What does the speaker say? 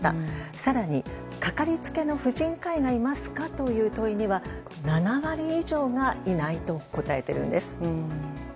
更に、かかりつけの婦人科医がいますかという問いには、７割以上がいないと答えているんです。